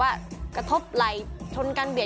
ห้ามกันครับผม